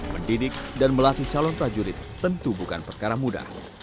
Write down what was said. mendidik dan melatih calon prajurit tentu bukan perkara mudah